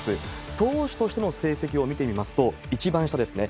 投手としての成績を見てみますと、一番下ですね。